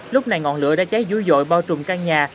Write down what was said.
lúc này ngọn lửa đã cháy vui vội bao trùm căn nhà